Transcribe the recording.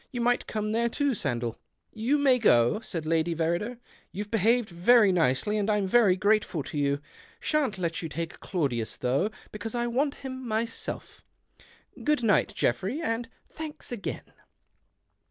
You might come lere too, Sandell." " You may go," said Lady Verrider. You've behaved very nicely, and I'm very :ateful to you. Shan't let you take Claudius LOUgh, because I want him myself. Good Lght, Geoffrey, and thanks again."